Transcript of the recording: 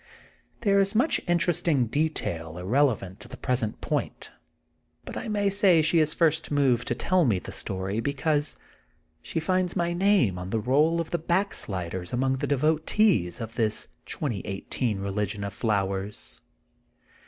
'' There is much interesting detail ir relevant to the present point, but I may say she is first moved to tell me the story because she finds my name on the roll of the back 22 THE GOLDEN BOOK OF SPRINGFIELD sliders among the devotees of this 2018 reli gion of flowers.